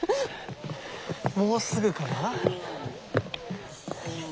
もうすぐかな？